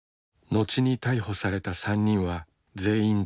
後に逮捕された３人は全員１９歳。